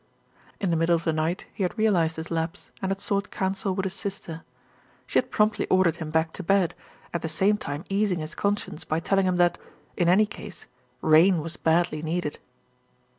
In the middle of the night he had realised his lapse, and had sought counsel with his sister. She had promptly ordered him back to bed, at the same time easing his conscience by telling him that, in any case, rain was badly needed.